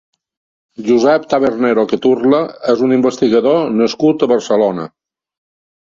Josep Tabernero Caturla és un investigador nascut a Barcelona.